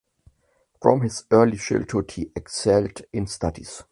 From his early childhood he excelled in studies.